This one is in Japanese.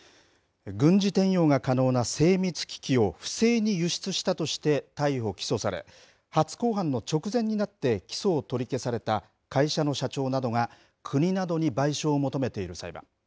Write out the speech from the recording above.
軍事転用が可能な精密機器を不正に輸出したとして逮捕・起訴され、初公判の直前になって起訴を取り消された会社の社長などが、国などに賠償を求めている裁判。